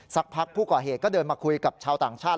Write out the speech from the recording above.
พักผู้ก่อเหตุก็เดินมาคุยกับชาวต่างชาติ